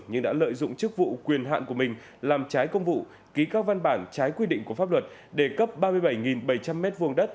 nhưng đã lợi dụng chức vụ quyền hạn của mình làm trái công vụ ký các văn bản trái quy định của pháp luật để cấp ba mươi bảy bảy trăm linh m hai đất